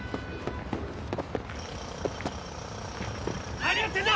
何やってんだ！